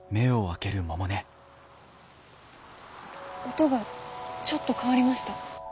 音がちょっと変わりました。